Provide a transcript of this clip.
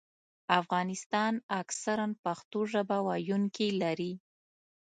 افغانستان اکثراً پښتو ژبه ویونکي لري.